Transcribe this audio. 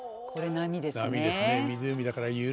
波ですね。